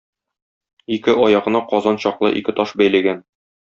Ике аягына казан чаклы ике таш бәйләгән.